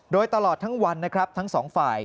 โดยตลอดทั้งวันนะครับทั้งสองฝ่าย